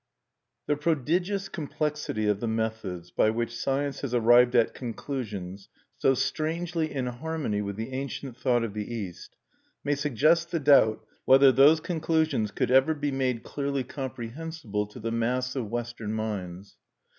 V The prodigious complexity of the methods by which Science has arrived at conclusions so strangely in harmony with the ancient thought of the East, may suggest the doubt whether those conclusions could ever be made clearly comprehensible to the mass of Western minds.